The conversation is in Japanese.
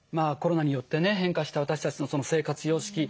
コロナによってね変化した私たちの生活様式